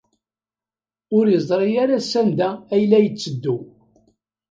Ur yeẓri ara sanda ay la yetteddu.